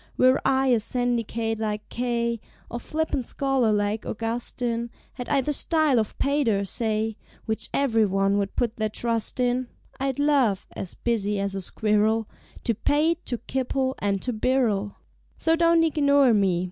Were I a syndicate like K. Or flippant scholar like Augustine; Had I the style of Pater, say, Which ev'ryone would put their trust in, I'd love (as busy as a squirrel) To pate, to kipple, and to birrel. So don't ignore me.